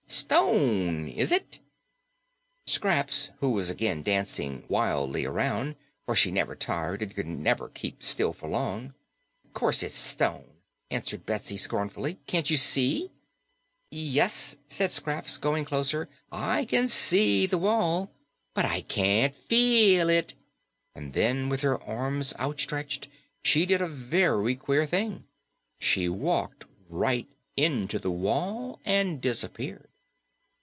"Stone, is it?" Scraps, who was again dancing wildly around, for she never tired and could never keep still for long. "Course it's stone," answered Betsy scornfully. "Can't you see?" "Yes," said Scraps, going closer. "I can SEE the wall, but I can't FEEL it." And then, with her arms outstretched, she did a very queer thing. She walked right into the wall and disappeared.